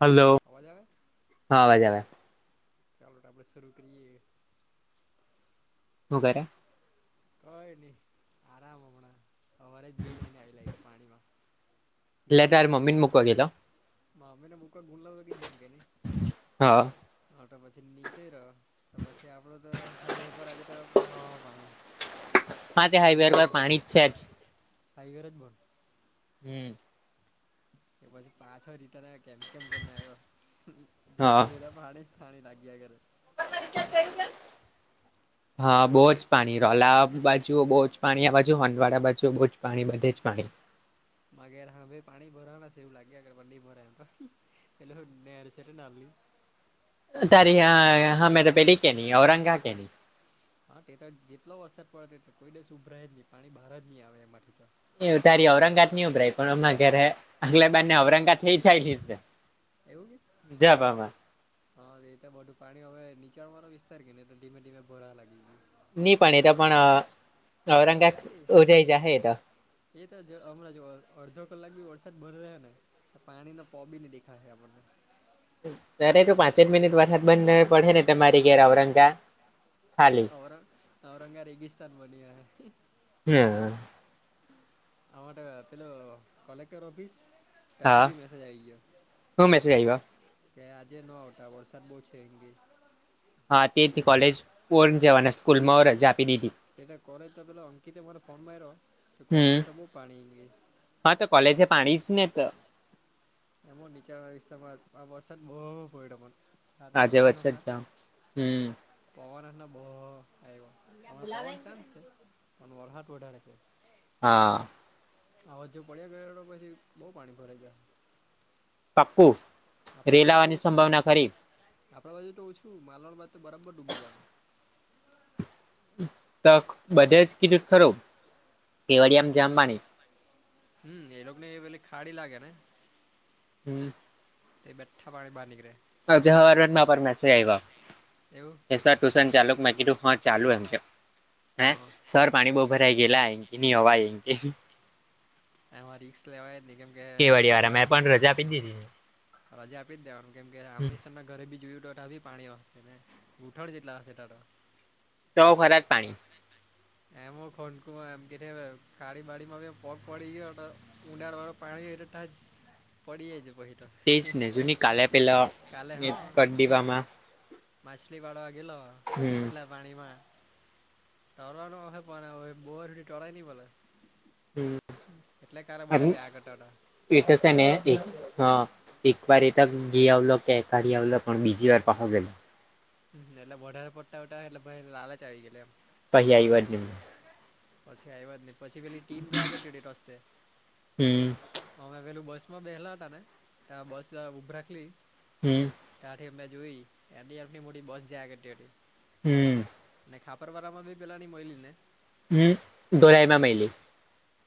Hello અવાજ આવે? હા અવાજ આવે. ચાલો તો આપણે શરૂ કરીએ. હું કરે? કઈ નઈ. આરામ હમણાં. હવારે જ ભી નઈને આવી લાય કે પાણીમાં. એટલે તાર મમ્મીને મૂકવા ગેલો? મામેને બૂકા ગૂલા તો કેમ કેને હા હાતો પછી નીકળ તો પછી આપડું તો હાઈવે પર આજે તો બહુ પાણી. હા તે હાઈવે રોડ પર પાણી જ છે જ. હાઇવે જ બંધ. હમ તો પછી પાછો રીટન આવ કેમ કેમ કર ના આવ્યો હા જાવા જોડ્યા પાણી પાણી નાખ્યા કરે. [inaudible] હા બહુ જ પાણી રોલા બાજુ બહુ જ પાણી આ બાજુ હોડવાળ બાજુ બહુ જ પાણી બધે જ પાણી. માગ હા ભાઈ પાણી ભરણા છે એવું લાગ્યા કરે પણ નહીં ભરાય એમ તો. એટલે હું નહેર છે તે નાલી. તારી હા હામે પેરી કે ની ઔરંગા કેે ની. હા તે તો જેટલો વરસાદ પડે એટલો કોઈ દસ ઉભરાય જ નહીં પાણી બહાર જ નહીં આવે એમાંથી તો એવું તારી ઔરંગાજ નની ઉભરાય પણ હમણા ઘરે આગલે બાર નેઔરંગાત થ ચાલી. એવું કે? જવામાં હા એ તો બધું પાણી હવે નીચાણ વાળો વિસ્તાર કે ને ધીમે ધીમે ભરાવા લાગી ગયું. ની પાણી તો પણ ઔરંગા નીકળે ઉજય જાહે એ તો. એ તો જ હમણાં જો અડધો કલાક બી વરસાદ બંધ રહ્યા ને. તો પાણી નો પ બી ન દેખાશે આપણને. ઘરે તો પાંચે જ મિનિટ વરસાદ બંધને પડે ને તમારી ઘેર ઔરંગા ખાલી ઔર ઔરંગા રેગિસ્તાન બન્યા હૈ. હમ આ માટે પેલો કલેક્ટર ઓફીસ. તાથી હા ભી મેસેજ આઈ ગ્યો. હું મેસેજ આવ્યો કે આજે નો આવતા વરસાદ બહુ છે એમ કે. હા તેથી કોલેજ ઓર જવાના સ્કૂલ માં રજા આપી દીધી. એટ કોલેજ તો પેલે અંકિતે મરે ફોન માયરો તો હમ કલેજો ટો બહુ પાણી એમ કેય. હા તો કોલેજે પાણી જ નેહ તો. એમ હો નિચાણવાળા વિસ્તારમાં આ વરસાદ બો પયડો પણ. રાતના આજે વરસાદ તુફાનના જામ હમ પવન હાથના બો આયવો હમણાં પવન સેમ સે પણ વરહાદ વધારે છે. હા આવા જો પડ્યા કયરો પછી બઉ પાણી ભરાઈ જાહે. પાકુ આપણા રેલ બાજુ તો આવવાની ઓછું સંભાવના ખરી આપણા બાજુ તો ઓછું માલવાણમાં તો બરાબર ડૂબી જવાનું તો બધે જ કીડુંત ખરું કેવડિયામાં જામ પાણી. હમ એ લોકો ને એ પેલી ખાડી લાગે ને? હમ તે બેઠા પાણી બહાર નીકળે. આજે હવારમાં પર મેસેજ એવું આવ્યા [unintelligible] ટુશન ચાલુ કે મે કીધું હ ચાલુ એમ છે હે હા સર પાણી બહુ ભરાઈ ગેલા એન્કિ ની અવાય એન્કિ. એમાં રિક્સ લેવાય જ નહીં કેમ કે કેવાડી આપણે તો વાળા મેં પણ રજા આપી દીધી. રજા આપી જ દેવાનું કેમ કે અમીશન ઘરે બીજ ટટા બી પાણી હશે ગૂંઠણ જેટલા હશે ટાટ તો ખરા પાણી એમ ખોંકુમાં એમ કે ખાડી માડીમાં પગ પડી ગયો હતો ઉડાળ વાળો પાણી એટ તા પડી જાય જ બહી તો તેજને જોની કાલે પેલો કાલે હા કડીવામાં માછલી પાડવા ગેલો હમ આટલા પાણી માં ટરટ હહે પણ બોર હે ટળાય નઈ મલે હમ અને બધા જયા કરતા હતા એટો સેને એન્ડી એક હા એક વાર એતા ઘી આવલો કે કાડી આવલો પણ બીજી વાર પહો ગેલો હ એટલે વધારે પડતા હુતા એટલે ભાઈન લાલચ આવી ગયેલી એમ. પહી આવ્યો જ ની પછી આવ્યા જ નહી પછી પેલી ટીમ જાયા કરતી હુતી રસ્તે હમ અમે પેલું બસ માં બેહલા હતા ને ત્યાં બસ ઉભરાખલી હમ ત્યાંથી એમને જોઈ એટીએફની મોટી બસ જાયા કરતી હુતી હમ નાને ખાપર બરા માં ભી પેલાની મઈલી ને હમ ધોરાઈ મા મેૈલી.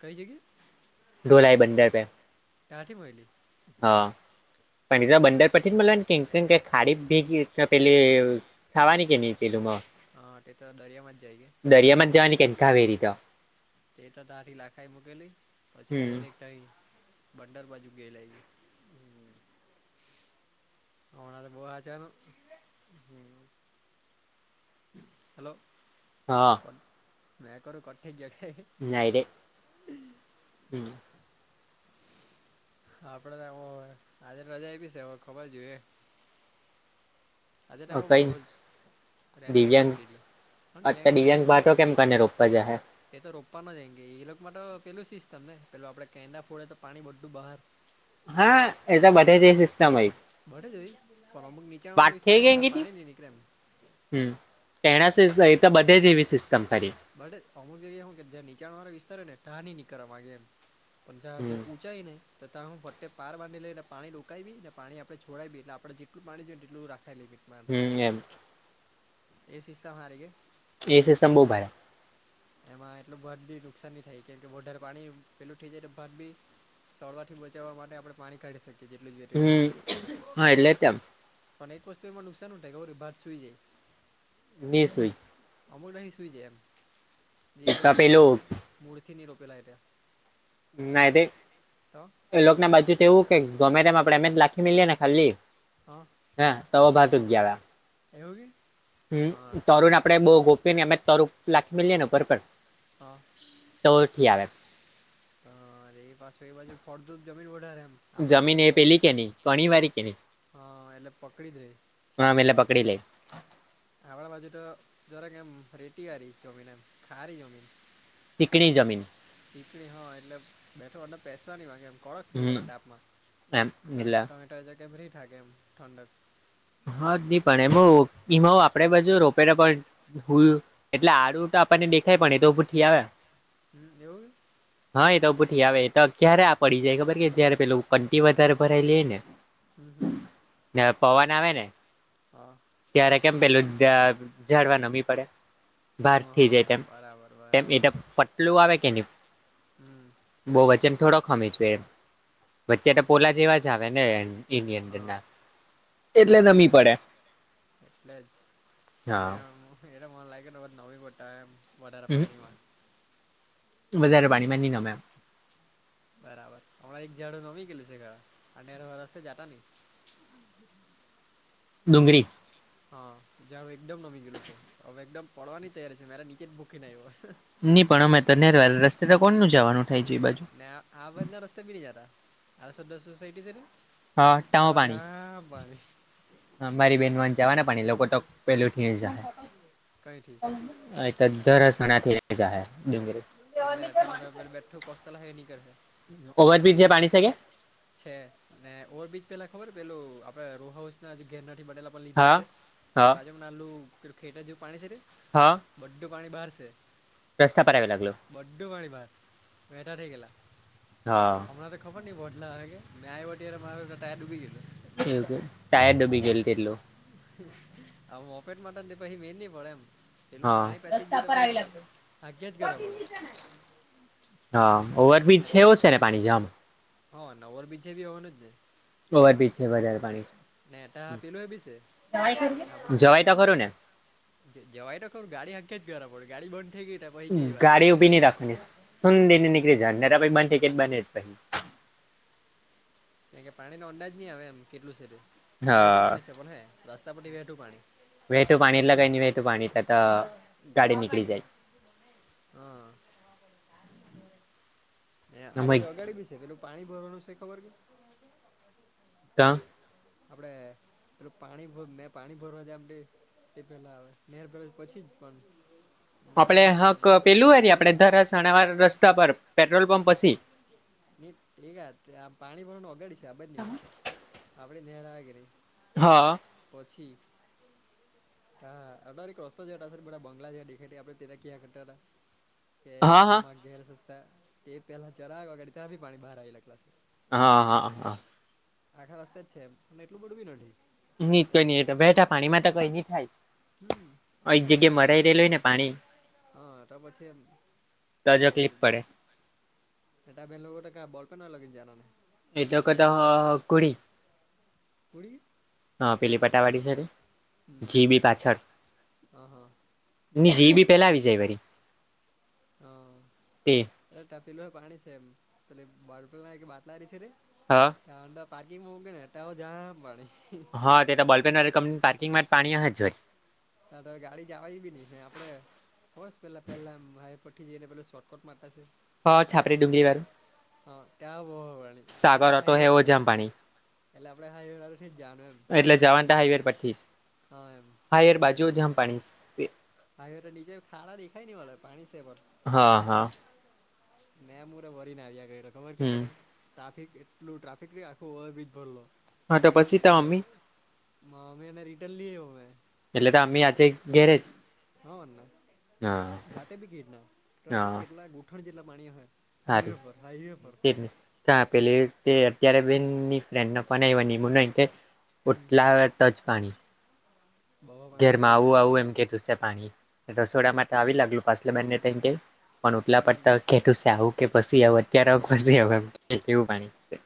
કઈ જગ્યા? ધોલાઈ બંદર પે. ક્યાંથી મઈલી. હા પછી તો બંદર પરથી જ મલવાની [unintelligible] ખાવાની કે નહીં પેલું મા હા તે તો દરિયામાં જાઈ કે દરિયામાં જ જવાની કે કાવેરી તો તે તો તથી લાખાઈ મુકેલી પછી હમ ડાયરેક્ટ ત ઇ બંદર બાજુ ગે લાયવી. આવણા તો બહુ હાચવાનુ [unintelligible] હલો હા નાકર કઠ જગાય નાઈરેે હમ્મ હા આપડે તો આજે રજા આવીી છે હવે ખબર જોઈ એ આજે ટાઈમમાં બહુ કઈ જ રેડ એલર્ટ દિવ્યાંગ આપી દેુંયા અત્યારે ક્યા ગીધુ દિવ્યાંગ ભાટો કેમ કરીને રોપવા જાહે તે તો રોપવાનો જ કેે એ લોકો માટે તો પેલું સિસ્ટમ ને પેલું આપડણે કેંડા ફોડે તો પાણી બધું બહાર હા એ તો બધે જ સિસ્ટમ બડ જ પણ અમક નીચાણ વાત વાળ વિસ્તારે ને થઈ ત ગઈ કે પાણી નની નીકળ ને હમ એના સ એ તો બધે જ એવી સિસ્ટમ કરી બટ અમુક જઈએ હું કે ત્યાં નીચાણ વાળ વિસ્તાર ન નીકળવા ગે એમ હમ પણજાજ ને તથા હું ફટ્ટ પાર બાંધી લઈને પાણી રોકાવી ને પાણી આપણે છોડાવી એટલે આપણે જેટલું પાણી જોઈએને એટલું રાખીેવી હમ એમ એ સિસ્તા અરી કે એ સિસ્ટમ બહુ ભાડે એમાં એટલું ભત બી નુકસાન ન થાય કેમ કેારે પાણી પેલું થઈ જાયટ ભત બી સળવારથી બચાવવા માટે આપણે પાણી કાઢી શકીએ જેટલું જોઈએ તેટલુ હમ હા એટલે તેમ પણ એક વસ્તુ એમાં નુકસાનન થાય કે ભારત સુુઈ જાય. ને સોઈ અમુક દહી સુઈ છેાય એમ જે એ એકદમ તો પેલું મૂળથી નહી રોપેલા ત્યા ના એ લોક ના બાજુ તો એવું કે ગમે તેમ આપડે અમે જ લાખી મીએ ને ખાલી હા હા તો ભાત જ હા ગયા એવું કે હા હમ તરુ તમે ને તો આપડે બહુ ગોપીને અમે તરું લખી મેએ ને ઉપરપર હા હરે એ પાછું એ બાજુ ફળદું જમીન વધઢાારે એમ આપણા જેવું જમીન પ એ પેલી કે ન ઘણી વાળી કે ન હા એટલે પકડી દે આમલા પકડી લે આપણા બાજુ તો જરા કે એમ રેટીયારી જમીન એમ ખારી જમીન ચીિકણી જમીન ચણી હા એટલે બેઠો અને પેસવા નહી, વાગે એમ કડક થીજ હમ કે એમ તાપમામાંમે એટલે ટમેટો જગ્યા ફ્ર થા એમ ઠંડત હા નહી પણ એમ એમાં આપડે બધુ રોપેલા પણ હુંય એટલે આડું તો આપણને દેખાય પણ એ તો ભું થી આવે હમ એવુ હા એ તો બૂઠી આવે તો ક્યારે આ પડી જાય ખબર કે જયારે પેલું કંટી વધારે ભરાય લેએ ને હમ્મહમ્મ પવાન આવે ને હા ત્યારે કેમ પેલું જાડવા નમી પડે હમ બાર થી હા જાય તેમ બરાબર તેમ એ બરાબર પટલું આવે કે નહી હમ્મ બહ વચન થોડો ખમી જ વચ્ચે તો પોલા જેવા જ આવે ને ઇન્ડિય હા એટલે નમી પડે એટલે જ મે હા એ મ લાગેને નવી ગટા એમ વધારે પાણીમા વધારે પાણીમાંની ન બરાબર હમણાં એક ઝડું નમી ગયલું છે ખ અનેરો રસ્તે જતા નહી હ ડુંગરી. હા જારું એકદમ નમી ગયલું છે હવે એકદમ પડવાની તૈયારી છે મારે નીચે જ ભૂખી ને આયવો. નઈ પણ અમે તો તને ર રસ્તે તો કોને જવાનું થાય છે એ બાજુ. ને આ આવરના રસ્તે ભી નહીં જાતા ી [inaudible] જાર આ શદ સોસટીી છે હા ટાવ ત્યાં પાણી. જામ પાણી હ મારી બેહેનમાંને જવા ને પણ એ લોકો તો પેલું થી જ કય થી. હ તો દરસણા થી ર જ હ ડુંગરી એટલે એટ પે બેઠું કોતા [inaudible] લ એની કરશે ઓવરબ્રિજ પણ જે પાણી શકે. છે ને ઓવરબીજ પેલા ખબર પેલું આપડે રોહાઉસ ના ગેરનાથી બનેલો પણ લીધેલા હા છે હા બાજુ [inaudible] માં નાલુંેું ખે જેવું પાણી છે હા. બંડ્ડ પાણી બહાર છે. રસ્તા પર એવ લાગલો. બડ્ડું વાળી માણ [inaudible] બેેટર થઈ ગલા હા. અમાણા તો ખબર બદલા અ કે મે્યાય વતીલે [inaudible] માતા તયા ડબી ગ એવું ટાયર ડુબી ગયેલ એટલું. આ મોફેટ માતન દપ હી મેનની પડે એમ તેલમાં હા પાણી પેસી ગયું તો પછી ભાગ્યા જ કર પડે. હા ઓવરબ્રિજ છે ઓ છે ને પાણી જામ હા નવર બીજે ભી હોવાનું જ ને. ઓવરબ્રિજ છે વઘારે પાણી છે ને તા પેલું એ બી છે આપડે જવાય તો ખરું ને. જવાય તો ખરુ ગાડી આંખે જ ગરાબડે ગાડી બંધ. થઈ ગઈ તા પહી ગઈ વાત ગાડી ઊભી નહી રાખવાની શન દ નેઇ નિકળી જવાનું ને તો પછે બંધ થઇ તો બને નહિ. કે પાણી ન અંદાજ નહી આવે એમ કેટલું છેું વહેઠું હા પાણી છે પણ હે રસ્તા પી વહેઠું પાણી વેતુ એક પાણી બાજથી લગઈ ન વેતું પાણી ત તો ગાડી નીકળી જાય. હા આ બાજુ અગાડી બી છે પેલું. પાણી ભરવાનું છે ખબર કે. કા. આપડે પેલું પાણી ભ મેં પાણી ભરવા જામ બે તે પેલા આવે નેર કરે પછી જ પણ આપડે મને હું કે હાક પેલું હોય આપડે ધરસણાવાર રસ્તા પર પેટ્રોલ પંપ પછી ન એક આ પાણી ભર ઓગાડી છે આ બજની વાત [inaudible] આપડ નેળ વાગે નહી હા. પછી. હા અ રસ્તો છે હતા બધા બંગલા છે દેખા આપડે તેના ક્યાં કરતા હતા કે હા હા આમાં ઘેર સસ્તા કે પેલા ચરાગઢ ત્યાં બી પાણી બહાર આવેલા ક્લાસ. હા હા હા. આઠા રસ્તે જ છે એટલું બડું નડે. ની કઈ નઈ બેઠા પાણીમાં તો કઈ નહી થાય. હમ એક પણ જગ્યાએ અને ખબર મરાઈ નઈ રહેલું હોય ને પાણી હા તો પછી એમ. તોજકલીફ પડે [inaudible] એટા બેંગલગર ક્યા બલપનાર લગી જના ને [inaudible] એ તો કતો હ કુડી. કુડી. હા પેલી પટાવાડી છે જીબી પાછળ હા હા. ની જી બી પેલા આવી જાય વડી. હરે ત પીલું હો પાણી છે એમ પે બાપલા એક બાટલારી છે રે હા ત પાારકીિંગમાં કે ને ત જામ પાડીણી હા તે તો બલ્પેનર કંપની પાર્કિંગમાં પાણીશે જ જોઈ નાા તો ગાડી જવા બી નહ આપડે હોસ પેલા પેલા હાઈ પથી જઈને પેલા શોર્ટકટ માતા છે હા છાપરી ડુંગળી વાળું હા ત્યાં બોવાની એટલે સાગર ડ ઓટો ખાઈ હે એવો જામ પઠ હ પાણી એટલે આપડે હાઈવેવાળું થીજ જાવાનું એમ. એટલે હા એમ. હાયવેર બાજુ હો જામ પાણીસ હાઇવે તો નીચે ખાળા દેખાય ની મળે પાણી સે પણ હા હા મે મુરો ભરીને આવ્યા કયરો ખબર કે હમ ટને ટ્રાફિક એટલું ટ્રાફિક એટલે ખે આખું ઓવરબ્રીજ ભરલો હા. તો પછી તા અમ્મી મા મમીને રિટર્ન લીઆયો મેં. એટલે તા અમ્મી આજ ઘેરેજ. હા મને જાતે ભી ઘેરના તા કેમ કે કેટલા ગૂઠણ જેટલા પાણી અમે. હાઈવે પર હાઈવે પર હા પેલી એ અત્યારે બેનની ફ્રેન્ડનો ફોન આવ્યો નીમુનો એમ કે હમ ઓટલા ટચ પાણી બવા પાણી એ ઘેરમાં આવું આવું નીચાણવાળું એમ વિસ કેટુસ. પાણી રસોડામાં તો આવી લ અને ઓટલા પર તો સાવ કે પછી આઉ અત્યારે પછી આઉ એમ. કેવું પાણી છે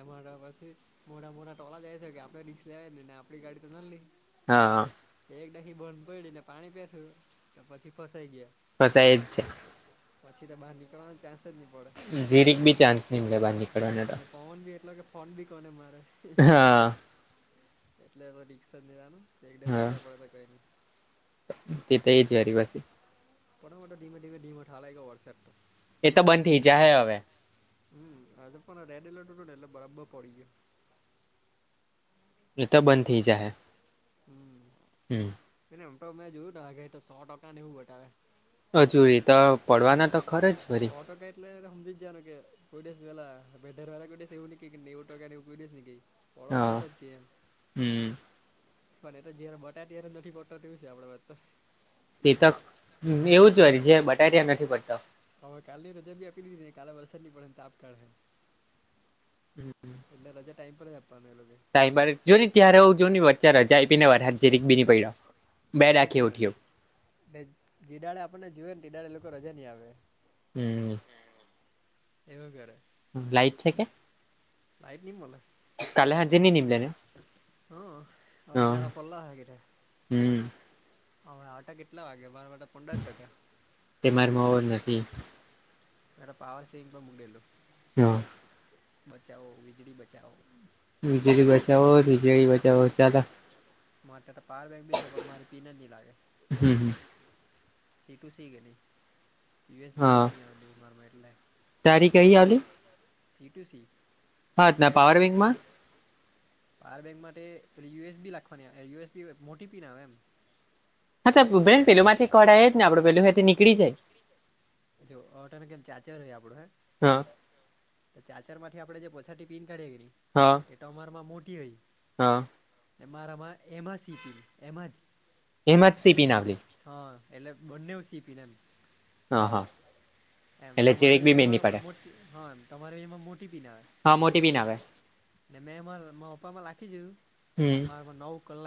એમાં પછી મોટા મોટા ટોળા જાય સેકે આપડે રીક્ષાય એટલી ને આપડી ગાડી તો નાન્લ્લી. હા હ કે એક ડાહી બંધ પયડીને પાણી પેઠુ કે પછી ફસાઈ ગીયા. ફસાય જ છે. પછી તો બાર નીકળવાનો ચાન્સ જ ની પડે. જીરીક બી ચાન્સ ની મલે બાર નીકળવાનો તો પોવોન બી એટલો કે ફોન બી કોને મારે? હા એટલે હવે રિક્સ જ લેવાનું. એક ડસ હા વાગ્યા પડે તો બી કંઈની. તે તો એ જ વારી પાસી મોટો મોટો ડીમેડીમે ડીમો ઠાવા લાયગો વરશાદ તો એ તો બંધ થઈ જાય હે હવે. હમ આજે પણ રેડ એલર્ટ હતોને એટલે બરાબર પડી ગીયો. એતો બંધ થઈ જાહે. હમ્મ પ એમ ટો મેં જોયું. તારા ઘેર ટો સો ટકા ને એવું બટાવેે. હજુ એતો પડવાના તો ખરા જ વરી સો એટલે હમજી ગ્યાને કે કોઇડિવસ પેલા વેધરવાલા કોઇડિવસ એવું ની કેય નેવુ ટકાને એવું કોઇડિવસ ની કેય. પડવાનો હોય હા ટોજ કેય એમ. હમ પણ એતો જયારે બટાયટ્યારે નથી પડતો તેવું સે આપડી બાજતો તે તક એવું જ હોય. જ્યારે બટાય ટ્યારે નથી પડતો તો હવે કાલની રજા બી આપીદિધીને કાલે વરસાદ ની પડેહે ને તાપ પડહે હમ્મ ભરાય જાય ટાઈમ પર હો આપાવનું એલોગે સાહેબ હો જોની ત્યારે હો જોની વચ્ચે રજા આયપી ને વરહાદ જીરીક બીની પયડો. એ તો કેમ જ જે જેડાળે આપણને જુવે ને તેડાડે એ લોકો રજા નહી આપે હમ્મ એવુ કરે. લ્ લાઈટ છે કે? લાઈટ નિ મલે. કાલે હાજે ની નીમલે ને હા. હવે હા જાજો પડલો અહે ઘેરે હમ હવે આવટા કેટલા વાગે માર માટે [unintelligible] [unintelligible] તે મારેમાં ઓર નથી મેટો પાવર સેવિંગમા મુકડેલું હા બચાવો વીજળી બચાવો બીજળી બચાવો બીજળી બચાવો ચ- - માટે તો પાવર બૅન્ક બી છે પણ મારી પીન જ ની લાગે. હમ સી ટુ સી ગ ન યુએસ હા બીઆરની આવે મારમાં એટલે- - તારી કહી આલિ સી ટુ સી. હા ના પાવર બેંકમાં- - પાવર બેંક માટે પ યુએસ બી લખવાની યુએસ બી મોટી પી ના આવે એમ- - હા તોન પેલુંમાંથી કઢાય જ નેડે પેલુંથી નીકળી જાય.. જોને કેમ ચાચા આપડું હે- - હા. તો ચાર્જર થી આપણે જે પોછાટી પીન કાઢીએ કી ને- - હા. એટ તમારામાં મોટી હોય. હા. મારામાં એમાં સી પીન એમાં જ. એમા સી પી ના આવેલી? હા એટલે બંનેું શી પીનેમ. હા હા. એમ એટલે ચેરેક તમારું બી મેળ ની પડે એમાંટી હા એમ તમારે એમાં મોટી પીના- - હા મોટી પીન આવે મેંમા પપ્પા માં લખી ગયું હમ પણ મારા નવ કલાક.